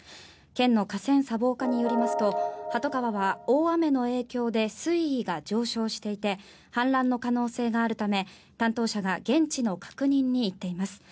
県の河川砂防課によりますと大雨の影響で水位が上昇していて反乱の可能性があるため担当者が現地の確認に行っています。